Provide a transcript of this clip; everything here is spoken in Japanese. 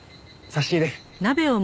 差し入れ。